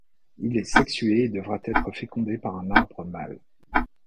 Il est sexué et devra être fécondé par un arbre mâle.